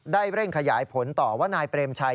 เร่งขยายผลต่อว่านายเปรมชัย